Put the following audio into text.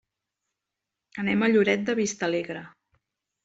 Anem a Lloret de Vistalegre.